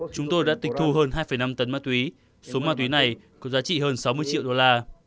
chúng tôi đã tịch thu hơn hai năm tấn ma túy số ma túy này có giá trị hơn sáu mươi triệu đô la